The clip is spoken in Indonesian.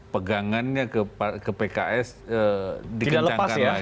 pegangannya ke pks